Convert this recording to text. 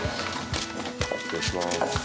失礼します。